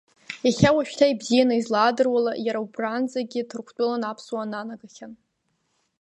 Иахьа уажәшьҭа ибзианы излаадыруала, иара убранӡагьы Ҭырқәтәылан аԥсуаа нанагахьан.